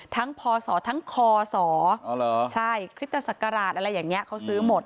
ทั้งพศทั้งคศใช่คศอะไรอย่างเงี้ยเขาซื้อหมด